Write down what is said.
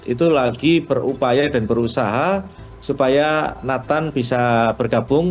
itu lagi berupaya dan berusaha supaya nathan bisa bergabung